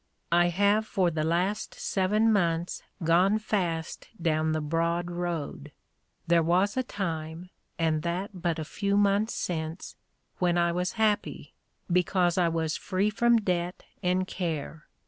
"I have for the last seven months gone fast down the broad road. There was a time, and that but a few months since, when I was happy, because I was free from debt and care.